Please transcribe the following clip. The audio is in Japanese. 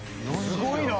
すごいな。